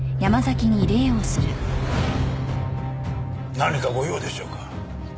何かご用でしょうか？